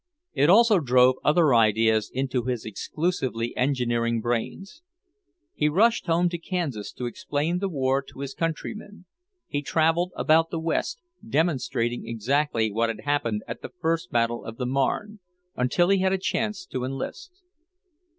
It also drove other ideas into his exclusively engineering brains. He rushed home to Kansas to explain the war to his countrymen.. He travelled about the West, demonstrating exactly what had happened at the first battle of the Marne, until he had a chance to enlist.